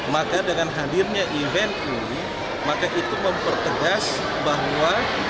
maka dengan hadirnya event ini maka itu mempertegas bahwa